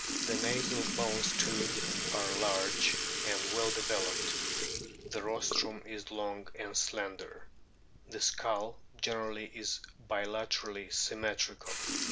The nasal bones too are large and well developed ; the rostrum is long and slender ; the skull generally is bilaterally symmetrical.